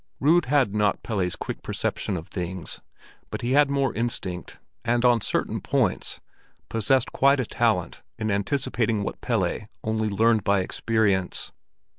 Rud had not Pelle's quick perception of things, but he had more instinct, and on certain points possessed quite a talent in anticipating what Pelle only learned by experience.